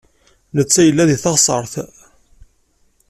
Netta yella deg teɣsert.